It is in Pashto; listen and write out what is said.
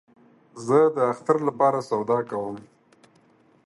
زه د اختر له پاره سودا کوم